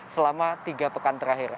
selama tiga pekan terakhir